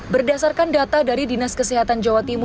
berdasarkan data dari dinas kesehatan jawa timur